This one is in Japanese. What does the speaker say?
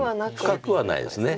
深くはないです。